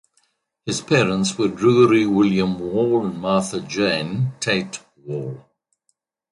His parents were Drury William Wall and Martha Jane (Tate) Wall.